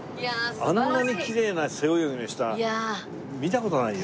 あんなにきれいな背泳ぎの人は見た事ないよ。